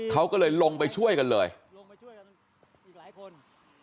เขาก็เลยลงไปช่วยกันเลยลงไปช่วยกันอีกหลายคน